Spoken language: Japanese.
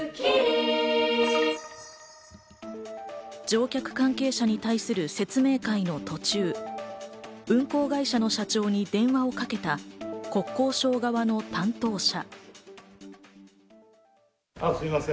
乗客関係者に対する説明会の途中運航会社の社長に電話をかけた国交省側の担当者。